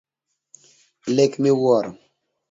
Lek miwuoro.